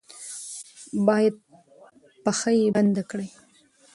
با ید پښه یې بنده کړي.